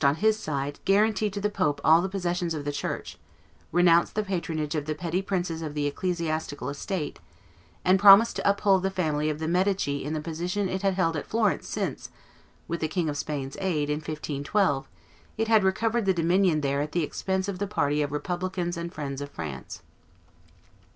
on his side, guaranteed to the pope all the possessions of the church, renounced the patronage of the petty princes of the ecclesiastical estate, and promised to uphold the family of the Medici in the position it had held at Florence since, with the King of Spain's aid, in 1512, it had recovered the dominion there at the expense of the party of republicans and friends of France.